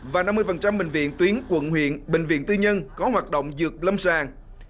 và năm mươi bệnh viện tuyến quận huyện bệnh viện tư nhân có hoạt động dược lâm sàng